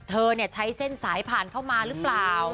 เธอใช้เส้นสายผ่านเข้ามาหรือเปล่า